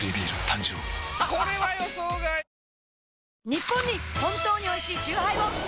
ニッポンに本当においしいチューハイを！